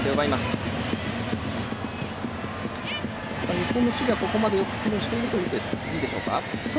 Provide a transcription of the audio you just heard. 日本の守備はここまで機能しているとみていいですか？